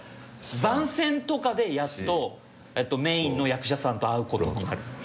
番宣とかでやっとメインの役者さんと会うことになる。